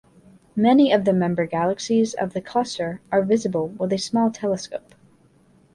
Many of the member galaxies of the cluster are visible with a small telescope.